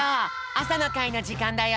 あさのかいのじかんだよ。